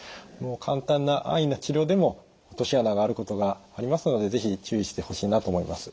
簡単な安易な治療でも落とし穴があることがありますので是非注意してほしいなと思います。